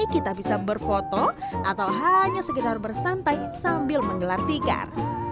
kita bisa berfoto atau hanya sekedar bersantai sambil menggelar tikar